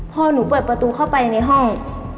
พอหนูเปิดประตูเข้าไปในห้อง